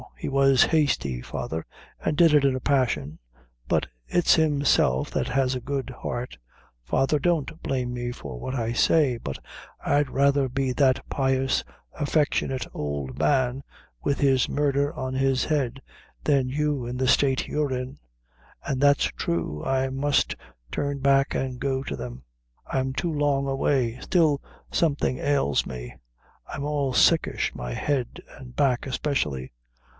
He was hasty, father, and did it in a passion, but it's himself that has a good heart. Father, don't blame me for what I say, but I'd rather be that pious, affectionate ould man, wid his murdher on his head, than you in the state you're in. An' that's thrue, I must turn back and go to them I'm too long away: still, something ails me I'm all sickish, my head and back especially."